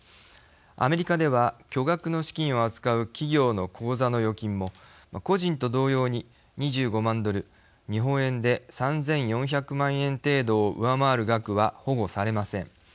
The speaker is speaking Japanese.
アメリカでは巨額の資金を扱う企業の口座の預金も個人と同様に２５万ドル、日本円で３４００万円程度を上回る額は保護されません。